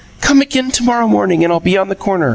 Come again to morrow morning and I'll be on the corner.